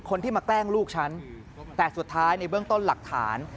คนที่มาแกล้งลูกฉันแต่สุดท้ายในเบื้องต้นหลักฐาน